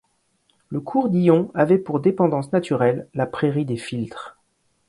Le cours Dillon avait pour dépendance naturelle la prairie des Filtres.